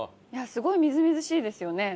すごいみずみずしいですよね。